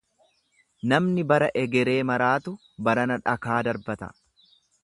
Namni bara egeree maraatu barana dhakaa darbata.